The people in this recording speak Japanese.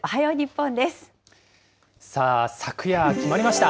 さあ、昨夜決まりました。